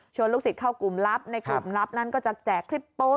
ลูกศิษย์เข้ากลุ่มลับในกลุ่มลับนั้นก็จะแจกคลิปโป๊